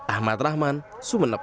ahmad rahman sumeneb